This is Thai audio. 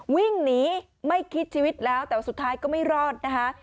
วิ่งหนีไม่คิดชีวิตแล้วแต่ว่าสุดท้ายก็ไม่รอดนะคะ